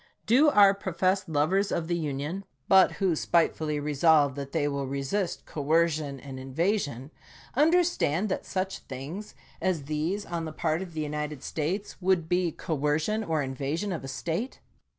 Do our professed lovers of the Union, but who spitefully re solve that they will resist coercion and invasion, under stand that such things as these on the part of the United States would be coercion or invasion of a State